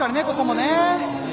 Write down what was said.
ここもね。